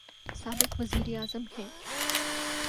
سابق وزیر اعظم ہیں۔